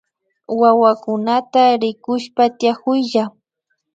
Wawakunata rikushpa tiakuylla